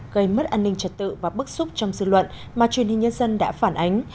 gây mất an ninh trật tự và bức xúc trong dư luận mà truyền hình nhân dân đã phản ánh